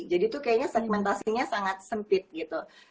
jadi itu kayaknya segmentasinya sangat sempit gitu